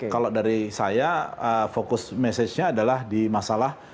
kalau dari saya fokus message nya adalah di masalah